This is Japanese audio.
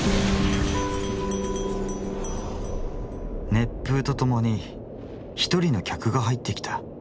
熱風と共に一人の客が入って来た。